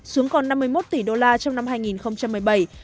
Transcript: một mươi một xuống còn năm mươi một tỷ đô la trong năm hai nghìn một mươi bảy